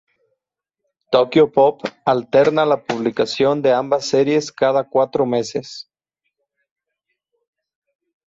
Tokyopop alterna la publicación de ambas series cada cuatro meses.